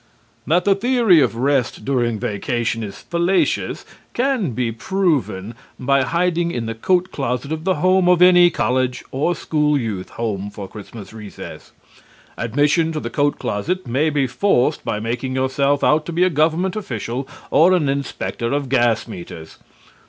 That the theory of rest during vacation is fallacious can be proved by hiding in the coat closet of the home of any college or school youth home for Christmas recess. Admission to the coat closet may be forced by making yourself out to be a government official or an inspector of gas meters.